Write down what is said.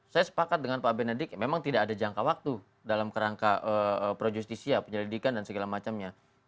saya sepakat dengan pak benedik memang tidak ada jangka waktu dalam kerangka pro justisia penyelidikan dan segala macamnya